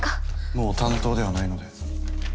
もう担当ではないので。